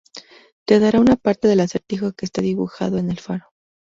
Te dará una parte del acertijo que está dibujado en el faro.